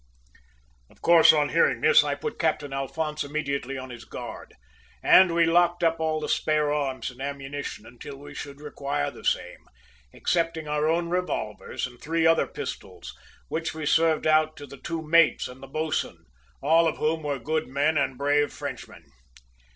"Of course on hearing this I put Captain Alphonse immediately on his guard, and we locked up all the spare arms and ammunition until we should require the same, excepting our own revolvers and three other pistols, which we served out to the two mates and the boatswain, all of whom were good men and brave Frenchmen.